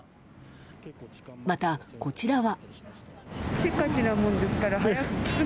また、こちらは。